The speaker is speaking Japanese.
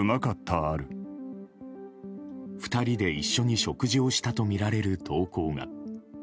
２人で一緒に食事をしたとみられる投稿が。